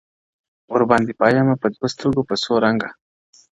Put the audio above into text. ورباندي پايمه په دوو سترگو په څو رنگه _